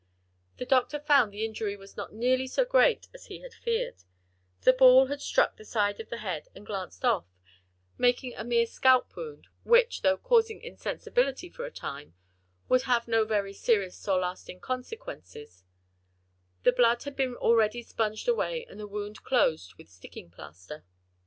The doctor found the injury not nearly so great as he had feared: the ball had struck the side of the head and glanced off, making a mere scalp wound, which, though causing insensibility for a time, would have no very serious or lasting consequences; the blood had been already sponged away, and the wound closed with sticking plaster.